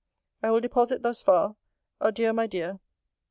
I will deposit thus far. Adieu, my dear.